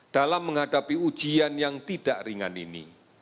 dalam menghadapi ujian yang tidak ringan ini